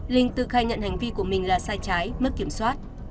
linh tự khai nhận hành vi của mình là sai trái mất kiểm soát